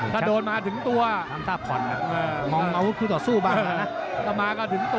ถ้าโดนมาถึงตัวน้ำเงินต่อสู้บ้างแล้วนะ